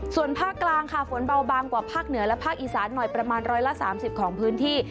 ส่วนภาคกลางค่ะฝนเบาบางกว่าภาคเหนือและภาคอีสานหน่อยประมาณ๑๓๐ของพื้นที่